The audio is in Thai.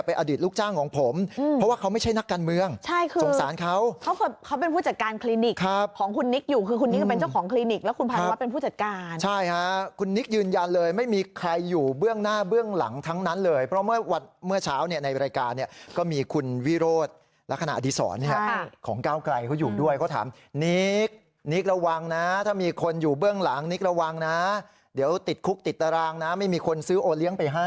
เป็นเจ้าของคลินิกแล้วคุณภานุวัฒน์เป็นผู้จัดการใช่ฮะคุณนิกยืนยันเลยไม่มีใครอยู่เบื้องหน้าเบื้องหลังทั้งนั้นเลยเพราะเมื่อเมื่อเช้าเนี่ยในรายการเนี่ยก็มีคุณวิโรธละคณะอดีศรเนี่ยของก้าวไกรเขาอยู่ด้วยเขาถามนิกนิกระวังนะถ้ามีคนอยู่เบื้องหลังนิกระวังนะเดี๋ยวติดคุกติดตาร